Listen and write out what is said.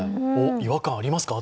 違和感ありますか？